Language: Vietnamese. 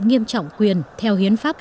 nghiêm trọng quyền theo hiến pháp